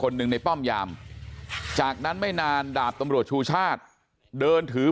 หนึ่งในป้อมยามจากนั้นไม่นานดาบตำรวจชูชาติเดินถือ